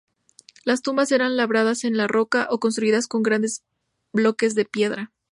Las tumbas eran labradas en la roca o construidas con grandes bloques de piedra.